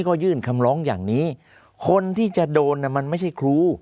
ก็ยื่นคำร้องอย่างนี้คนที่จะโดนมันไม่ใช่ครู